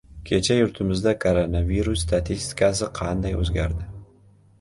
Kecha yurtimizda koronavirus statistikasi qanday o‘zgardi?